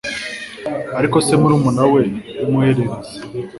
ariko se, murumuna we w'umuhererezi